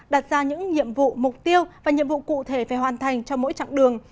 đặt ra những nhiệm vụ mục tiêu và nhiệm vụ cụ thể phải hoàn thành cho mỗi chặng đường